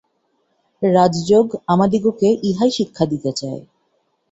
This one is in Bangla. রাজযোগ আমাদিগকে ইহাই শিক্ষা দিতে চায়।